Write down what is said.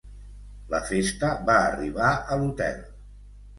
La festa va arribar a l'hotel.